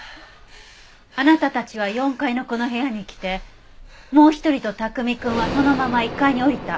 あなたたちは４階のこの部屋に来てもう一人と卓海くんはそのまま１階に降りた。